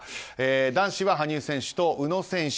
男子は羽生選手と宇野選手